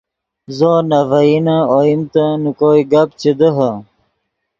زو نے ڤئینے اوئیمتے نے کوئے گپ چے دیہے